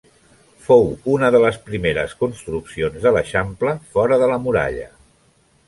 Fou una de les primeres construccions de l'Eixample, fora de la muralla.